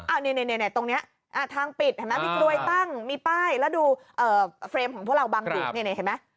อันนี้ตรงนี้ทางปิดเห็นไหมมีกลวยตั้งมีป้ายแล้วดูเฟรมของพวกเราบางจุดนี่เห็นไหม